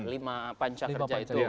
lima panca kerja itu